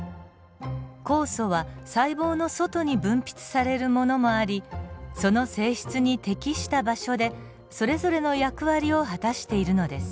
酵素は細胞の外に分泌されるものもありその性質に適した場所でそれぞれの役割を果たしているのです。